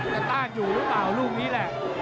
ต้านอยู่หรือเปล่าลูกนี้แหละ